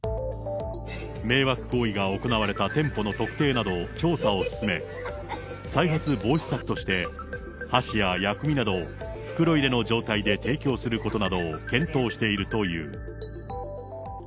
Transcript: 迷惑行為が行われた店舗の特定など調査を進め、再発防止策として箸や薬味などを袋入りの状態で提供することなどを検討しているという。